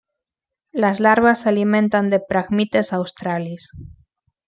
Las larvas se alimentan de "Phragmites australis".